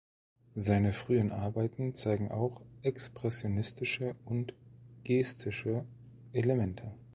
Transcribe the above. Seine frühen Arbeiten zeigen auch expressionistische und gestische Elemente.